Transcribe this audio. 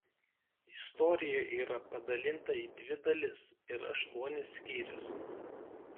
Istorija yra padalinta į dvi dalis ir aštuonis skyrius.